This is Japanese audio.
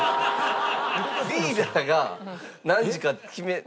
リーダーが何時か決め。